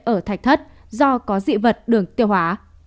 ở thạch thất do có dị vật đường tiêu hóa